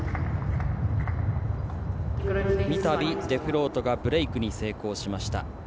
三度、デフロートがブレークに成功しました。